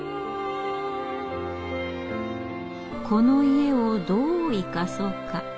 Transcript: この家をどう生かそうか。